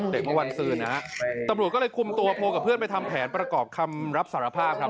เมื่อวันซืนนะฮะตำรวจก็เลยคุมตัวโพลกับเพื่อนไปทำแผนประกอบคำรับสารภาพครับ